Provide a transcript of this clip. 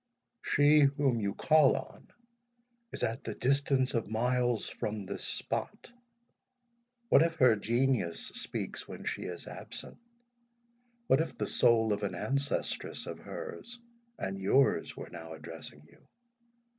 "She whom you call on is at the distance of miles from this spot. What if her Genius speaks when she is absent?—what if the soul of an ancestress of hers and yours were now addressing you?